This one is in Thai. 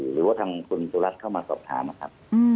หรือทางคุณตัวรัฐเข้ามาสอบค้านะครับ